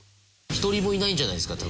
１人もいないんじゃないですか？